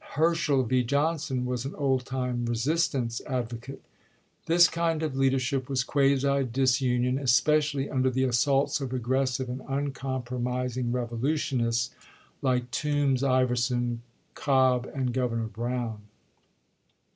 Herschel V. Johnson was an old time " resistance " advocate. This kind of leadership was quasi dis union, especially under the assaults of aggressive and uncompromising revolutionists like Toombs, Iverson, Cobb, and Governor Brown.